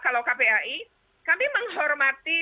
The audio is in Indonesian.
kalau kpai kami menghormati